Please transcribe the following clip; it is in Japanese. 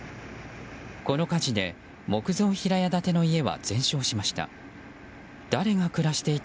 この火事で木造平屋建ての家は全焼しました。